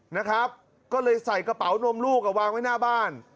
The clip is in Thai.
นะครับก็เลยใส่กระเป๋านมลูกอ่ะวางไว้หน้าบ้าน